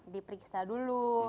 di periksa dulu